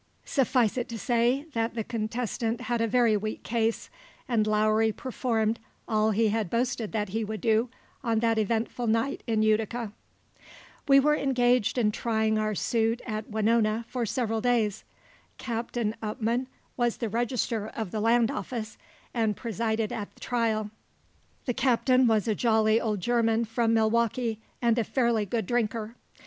Suffice it to say that the contestant had a very weak case, and Lowry performed all he had boasted that he would do on that eventful night in Utica. We were engaged in trying our suit at Winona for several days. Captain Upman was the register of the land office, and presided at the trial. The captain was a jolly old German from Milwaukee, and a fairly good drinker.